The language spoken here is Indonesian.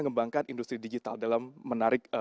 mengembangkan industri digital dalam menarik